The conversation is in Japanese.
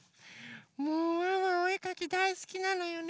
もうワンワンおえかきだいすきなのよね。